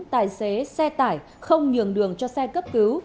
tài xế xe tải không nhường đường cho xe cấp cứu